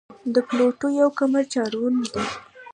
د پلوټو یو قمر چارون دی.